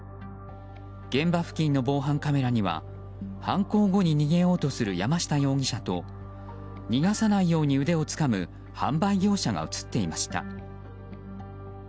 現場付近の防犯カメラには犯行後に逃げようとする山下容疑者と逃がさないように腕をつかむ販売業者が映っていました。